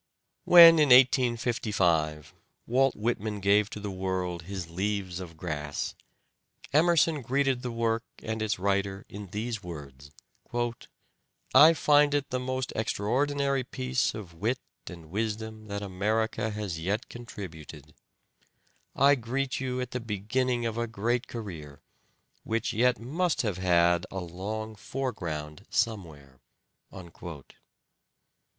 When in 1855 Walt Whitman gave to the world his "Leaves of Grass," Emerson greeted the work and its writer in these words; " I find it the most extra CHARACTER OF THE PROBLEM 101 ordinary piece of wit and wisdom that America has yet contributed ... I greet you at the beginning of a great career, which yet must have had a long fore ground somewhere."